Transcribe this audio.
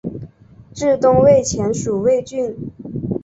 至东魏前属魏郡。